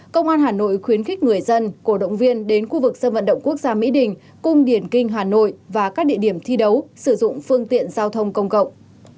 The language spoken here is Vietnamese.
công an hà nội khuyến khích người dân cổ động viên đến khu vực sân vận động quốc gia mỹ đình cung điển kinh hà nội và các địa điểm thi đấu sử dụng phương tiện giao thông công cộng